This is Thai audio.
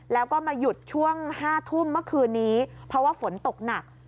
แล้วก็มาหยุดช่วง๕ทุ่มเมื่อคืนนี้เพราะว่าฝนตกหนัก